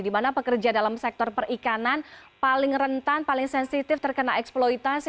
di mana pekerja dalam sektor perikanan paling rentan paling sensitif terkena eksploitasi